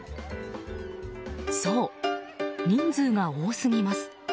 そう、人数が多すぎます。